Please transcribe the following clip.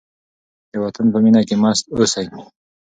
د وطن په مینه کې مست اوسئ.